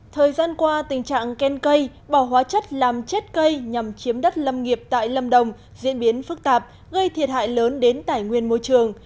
thời gian qua tình trạng khen cây bỏ hóa chất làm chết cây nhằm chiếm đất lâm nghiệp tại lâm đồng diễn biến phức tạp gây thiệt hại lớn đến tải nguyên môi trường